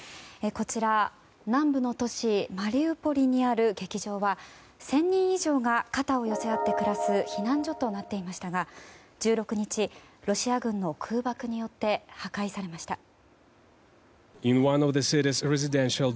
こちら、南部の都市マリウポリにある劇場は１０００人以上が肩を寄せ合って暮らす避難所となっていましたが１６日、ロシア軍の空爆によって破壊されました。